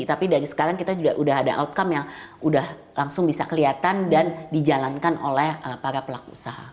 tapi dari sekarang kita juga udah ada outcome yang udah langsung bisa kelihatan dan dijalankan oleh para pelaku usaha